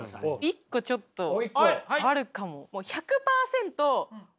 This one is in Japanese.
一個ちょっとあるかも。